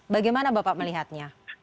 bagaimana bapak melihatnya